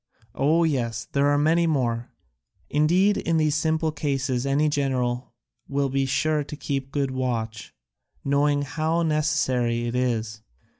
"Oh, yes, there are many more; indeed in these simple cases any general will be sure to keep good watch, knowing how necessary it is.